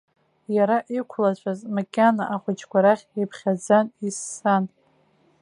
Иара иқәлацәаз макьана ахәыҷқәа рахь иԥхьаӡан, иссан.